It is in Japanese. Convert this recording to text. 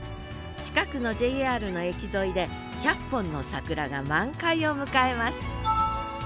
近くのＪＲの駅沿いで１００本の桜が満開を迎えます。